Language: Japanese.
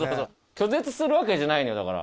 拒絶するわけじゃないのよだから。